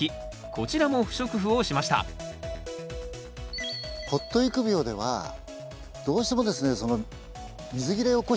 こちらも不織布をしましたポット育苗ではどうしてもですね水切れを起こしてしまうんです。